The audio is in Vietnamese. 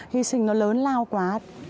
hy sinh nó lớn lao quá